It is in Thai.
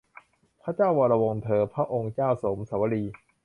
พระเจ้าวรวงศ์เธอ พระองค์เจ้าโสมสวลี